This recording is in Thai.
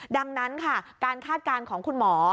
ดังนั้นค่ะการคาดการณ์ของคุณหมอ